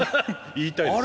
言いたいですよね。